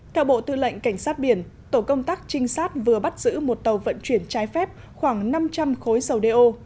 theo bộ tư lệnh cảnh sát biển tổ công tác trinh sát vừa bắt giữ một tàu vận chuyển trái phép khoảng năm trăm linh khối dầu đeo